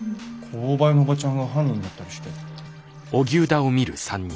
購買のおばちゃんが犯人だったりして。